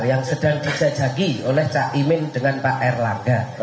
yang sedang dijajaki oleh cak imin dengan pak erlangga